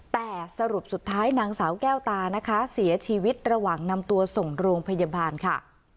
แต่สรุปสุดท้ายนางสาวแก้วตานะคะเสียชีวิตระหว่างนำตัวส่งโรงพยาบาลค่ะ